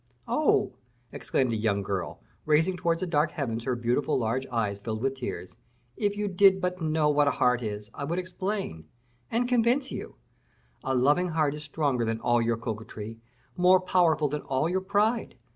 "Oh!" exclaimed the young girl, raising towards the dark heavens her beautiful large eyes filled with tears, "if you did but know what a heart is, I would explain, and convince you; a loving heart is stronger than all your coquetry, more powerful than all your pride.